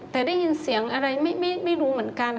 แต่ได้ยินเสียงอะไรไม่รู้เหมือนกัน